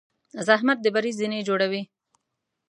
زحمت د بری زینې جوړوي.